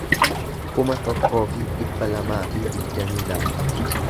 kuma tokkoo fi dhibba lamaa fi digdamii lama